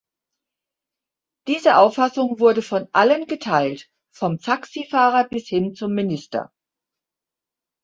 Diese Auffassung wurde von allen geteilt, vom Taxifahrer bis hin zum Minister.